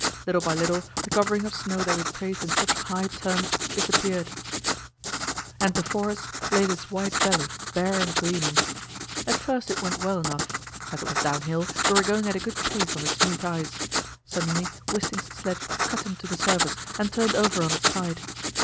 Little by little the covering of snow that we had praised in such high terms disappeared, and before us lay this wide valley, bare and gleaming. At first it went well enough; as it was downhill, we were going at a good pace on the smooth ice. Suddenly Wisting's sledge cut into the surface, and turned over on its side.